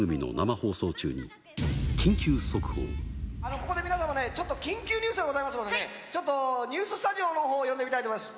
ここで皆様ね、ちょっと緊急ニュースがございますのでね、ちょっとニューススタジオのほうを呼んでみたいと思います。